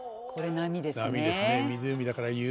波ですね。